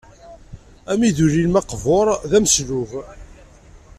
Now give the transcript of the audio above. Amidul-nnem aqbur d ameslub.